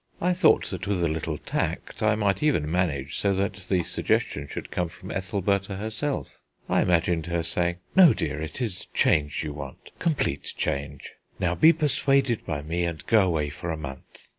I thought that with a little tact I might even manage so that the suggestion should come from Ethelbertha herself. I imagined her saying: "No, dear, it is change you want; complete change. Now be persuaded by me, and go away for a month.